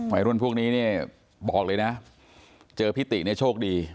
วัยรุ่นพวกนี้เนี่ยบอกเลยนะเจอพี่ติเนี่ยโชคดี